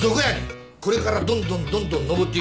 これからどんどんどんどん上っていくわけや。